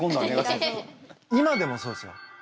今でもそうですよ。